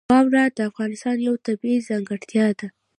واوره د افغانستان یوه طبیعي ځانګړتیا ده.